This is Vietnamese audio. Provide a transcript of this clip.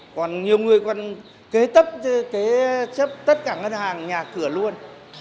còn nhiều người còn kế tấp tất cả ngân hàng nhà cửa luôn